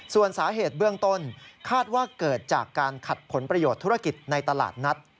ส่วนสาเหตุเบื้องต้นคาดว่าเกิดจากการขัดผลประโยชน์ธุรกิจในตลาดนัด